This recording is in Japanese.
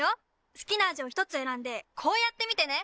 好きな味を１つ選んでこうやって見てね！